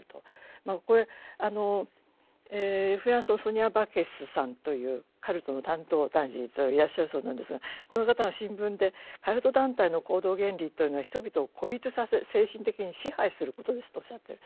これフランスのソニア・バケスさんというカルトの担当大臣いらっしゃるそうなんですがこの方が新聞で「カルト団体の行動原理というのは人々を孤立させ精神的に支配することです」とおっしゃってる。